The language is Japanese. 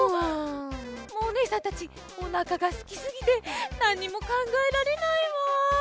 もうおねえさんたちおなかがすきすぎてなんにもかんがえられないわ。